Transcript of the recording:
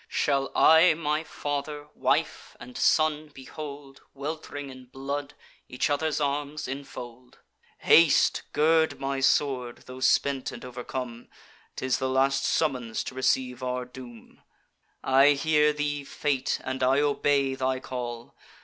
Shall I my father, wife, and son behold, Welt'ring in blood, each other's arms infold? Haste! gird my sword, tho' spent and overcome: 'Tis the last summons to receive our doom. I hear thee, Fate; and I obey thy call!